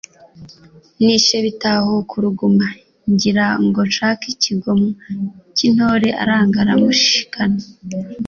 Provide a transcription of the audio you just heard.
nishe Bitahura uruguma, ngira ngo nshake ikigomwa cy'intore, aranga aramunshikana;